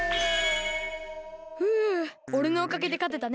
ふうおれのおかげでかてたね。